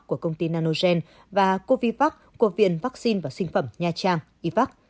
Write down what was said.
của công ty nanogen và covixox của viện vaccine và sinh phẩm nha trang ivac